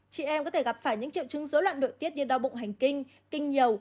chị em có thể gặp phải những triệu chứng dối loạn nội tiết như đau bụng hành kinh kinh nhiều